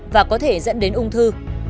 và có thể dẫn đến ung thư